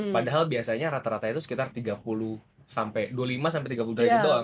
padahal biasanya rata rata itu sekitar tiga puluh sampai dua puluh lima sampai tiga puluh derajat doang